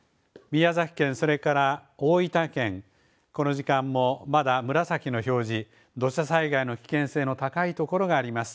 宮崎県それから大分県、この時間もまだ紫の表示、土砂災害の危険性の高いところがあります。